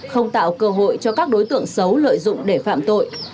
không tạo cơ hội cho các đối tượng xấu lợi dụng để phạm tội